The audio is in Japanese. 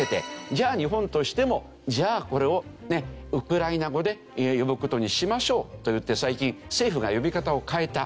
じゃあ日本としてもじゃあこれをウクライナ語で呼ぶ事にしましょうといって最近政府が呼び方を変えた。